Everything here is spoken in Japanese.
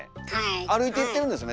歩いていってるんですね